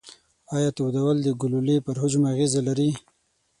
ایا تودول د ګلولې پر حجم اغیزه لري؟